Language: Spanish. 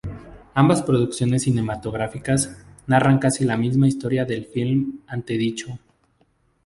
Ambas producciones cinematográficas, narran casi la misma historia del film antedicho.